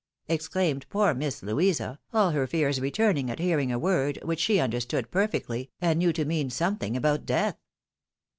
exclaimed poor Miss Louisa, all her fears returning at hearing a word which she understood perfectly, and knew to mean something about death.